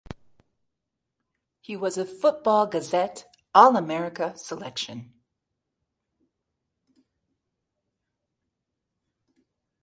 He was a "Football Gazette" All-America selection.